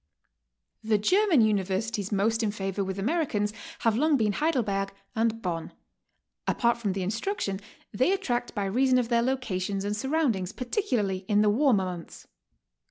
The German universities most in favor with Americans have long been Heidelberg and Bonn; apart from the in struction, they attract by reason of their locations and sur roundings, particularly in the warmer months.